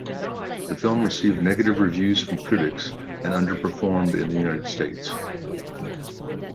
The film received negative reviews from critics, and under-performed in the United States.